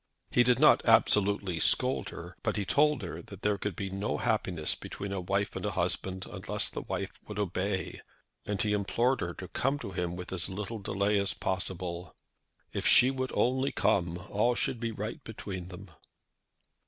He did not absolutely scold her; but he told her that there could be no happiness between a wife and a husband unless the wife would obey, and he implored her to come to him with as little delay as possible. If she would only come, all should be right between them.